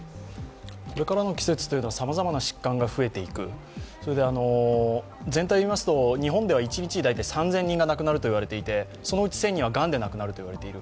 これからの季節はさまざまな疾患が増えていく、日本では一日に３０００人が亡くなるといわれていて、そのうち１０００人はがんで亡くなるといわれている。